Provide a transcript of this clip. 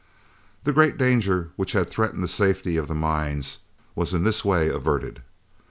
The great danger which had threatened the safety of the mines was in this way averted.